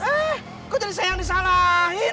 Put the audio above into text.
eh kok jadi saya yang disalahin